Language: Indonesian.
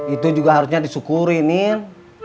itu juga harusnya disyukuri nin